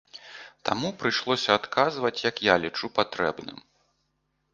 Таму прыйшлося адказваць, як я лічу патрэбным.